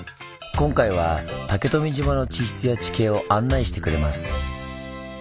今回は竹富島の地質や地形を案内してくれます。